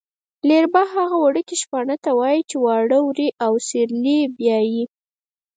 لېربه هغه وړکي شپانه ته وايي چې واړه وري او سېرلی پیایي.